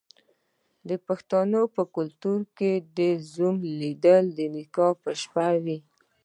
د پښتنو په کلتور کې د زوم لیدل د نکاح په شپه وي.